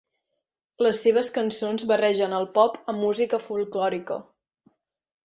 Les seves cançons barregen el pop amb música folklòrica.